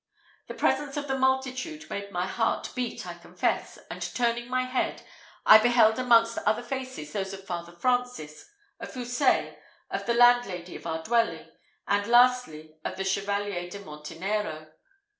The presence of the multitude made my heart beat, I confess, and turning my head, I beheld amongst other faces those of Father Francis, of Houssaye, of the landlady of our dwelling, and, lastly, of the Chevalier de Montenero.